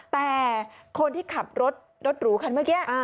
แต่คนที่ขับรถรถหรูคันเมื่อกี้